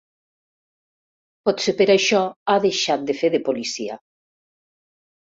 Potser per això ha deixat de fer de policia.